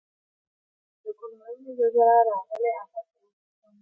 د کونړونو زلزله راغلي افت یو ستم و.